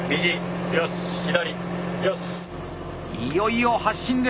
いよいよ発進です。